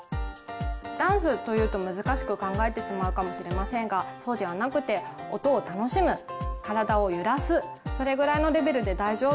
ダンスというと難しく考えてしまうかもしれませんがそうではなくて音を楽しむ体を揺らすそれぐらいのレベルで大丈夫です。